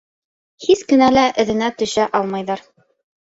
Һис кенә лә эҙенә төшә алмайҙар.